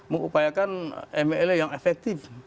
mengupayakan mla yang efektif